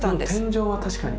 天井は確かに。